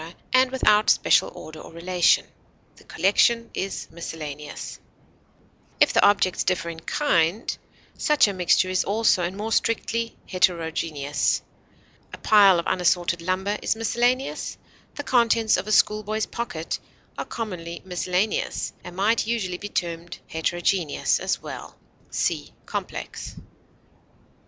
and without special order or relation, the collection is miscellaneous; if the objects differ in kind, such a mixture is also, and more strictly, heterogeneous; a pile of unassorted lumber is miscellaneous; the contents of a school boy's pocket are commonly miscellaneous and might usually be termed heterogeneous as well. See COMPLEX.